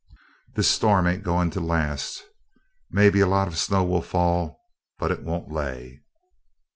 "This storm ain't goin' to last. May be a lot of snow will fall, but it won't lay."